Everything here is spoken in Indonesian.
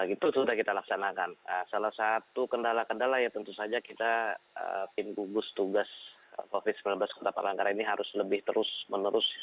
itu sudah kita laksanakan salah satu kendala kendala ya tentu saja kita tim gugus tugas covid sembilan belas kota palangkaraya ini harus lebih terus menerus